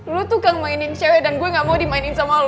lu tukang mainin cewek dan gue gak mau dimainin sama lo